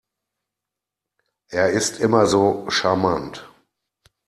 Er ist immer so charmant.